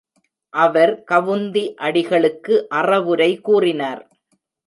அவர் கவுந்தி அடிகளுக்கு அறவுரை கூறினார்.